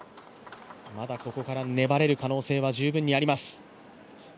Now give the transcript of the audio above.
まだここから粘れる可能性は十分あります。